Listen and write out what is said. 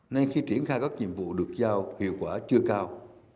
nên khi triển khai các nhiệm vụ được giao hiệu quả chưa cao